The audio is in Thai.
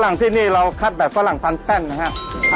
ฝรั่งที่นี่เราคัดแบบฝรั่งพรั่งแฟ่นนะครับ